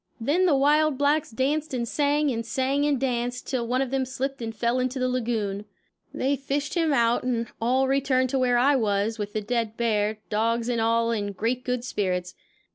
Then the wild blacks danced and sang and sang and danced, till one of them slipped and fell into the lagoon. They fished him out and all returned to where I was, with the dead bear, dogs and all in great good spirits.